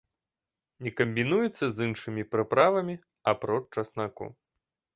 Не камбінуецца з іншымі прыправамі, апроч часнаку.